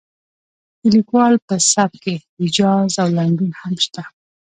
د لیکوال په سبک کې ایجاز او لنډون هم شته.